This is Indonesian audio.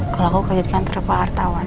kalau aku kerjakan terdekat hartawan